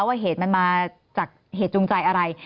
ว่าเหตุมันมาจากเหตุจูงใจอะไร